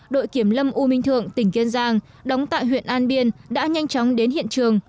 đội kiểm lâm u minh thượng tỉnh kiên giang đóng tại huyện an biên đã nhanh chóng đến hiện trường